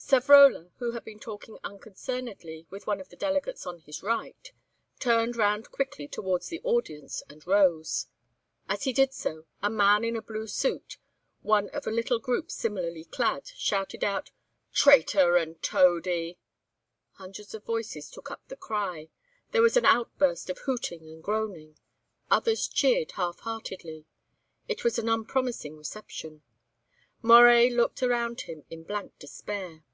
Savrola, who had been talking unconcernedly with one of the delegates on his right, turned round quickly towards the audience, and rose. As he did so, a man in a blue suit, one of a little group similarly clad, shouted out, "Traitor and toady!" Hundreds of voices took up the cry; there was an outburst of hooting and groaning; others cheered half heartedly. It was an unpromising reception. Moret looked around him in blank despair.